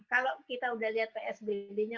kalau kita udah lihat psbb nya